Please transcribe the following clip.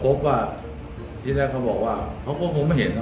ก็พบว่าที่เรียกเขาบอกว่าเขาก็ก็ไม่เห็นครับ